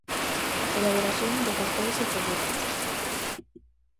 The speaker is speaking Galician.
Elaboración de carteis e folletos: